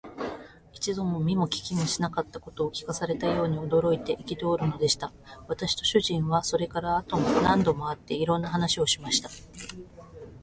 一度も見も聞きもしなかったことを聞かされたように、驚いて憤るのでした。私と主人とは、それから後も何度も会って、いろんな話をしました。